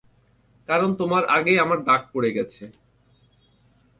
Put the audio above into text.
কারণ তোমার আগেই আমার ডাক পড়ে গেছে।